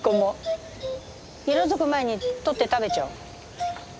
色づく前にとって食べちゃう。